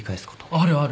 あるある。